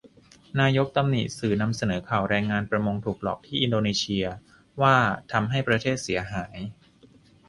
นายกตำหนิสื่อนำเสนอข่าวแรงงานประมงถูกหลอกที่อินโดนีเชีย ว่าทำให้ประเทศเสียหาย